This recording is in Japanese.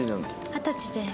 二十歳です。